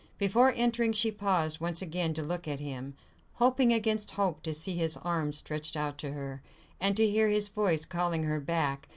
Before entering, she paused once again to look at him, hoping against hope to see his arms stretched out to her, and to hear his voice calling her back.